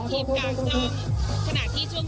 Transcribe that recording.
ค่ะไปไหนมาบ้าง